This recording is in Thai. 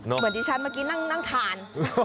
เหมือนที่ฉันเมื่อกี้นั่งทาน